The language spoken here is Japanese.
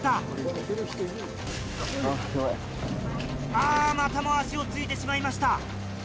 あまたも足をついてしまいました。